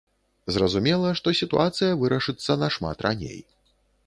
Зразумела, што сітуацыя вырашыцца нашмат раней.